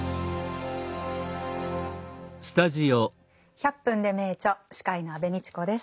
「１００分ｄｅ名著」司会の安部みちこです。